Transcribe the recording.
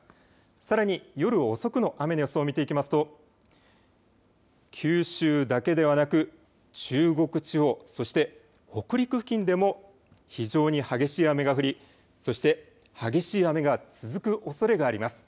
さらに、夜遅くの雨の予測を見ていきますと、九州だけではなく中国地方、そして、北陸付近でも非常に激しい雨が降り、そして、激しい雨が続くおそれがあります。